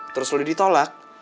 terus lo ditolak